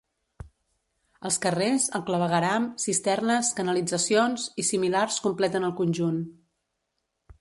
Els carrers, el clavegueram, cisternes, canalitzacions i similars completen el conjunt.